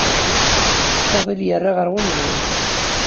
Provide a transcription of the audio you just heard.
Fadil yerra ɣer unẓul.